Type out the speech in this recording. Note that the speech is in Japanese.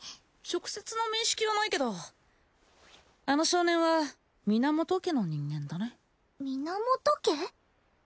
直接の面識はないけどあの少年は源家の人間だね源家？